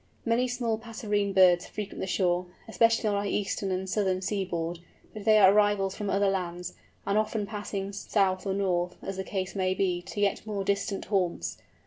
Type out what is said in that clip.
Many small Passerine birds frequent the shore—especially on our eastern and southern seaboard, but they are arrivals from other lands, and often passing south or north, as the case may be, to yet more distant haunts.